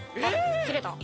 あ切れた。